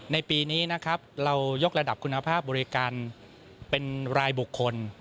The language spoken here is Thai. ในปีนี้นะครับเรายกระดับคุณภาพบริการเป็นรายบุคคล